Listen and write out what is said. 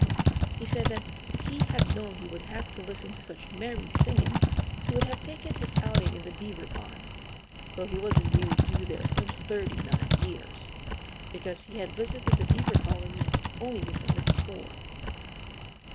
He said that if he had known he would have to listen to such merry singing he would have taken his outing in the Beaver Pond, though he wasn't really due there for thirty nine years, because he had visited the Beaver colony only the summer before.